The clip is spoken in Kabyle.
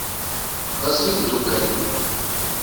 Ɣes d imddukal.